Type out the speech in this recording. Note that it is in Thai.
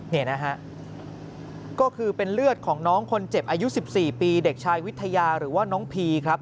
นี่นะฮะก็คือเป็นเลือดของน้องคนเจ็บอายุ๑๔ปีเด็กชายวิทยาหรือว่าน้องพีครับ